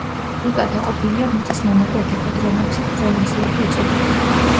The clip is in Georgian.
რუკა დაყოფილია მიწის მონაკვეთებად, რომლებსაც პროვინციები ეწოდებათ.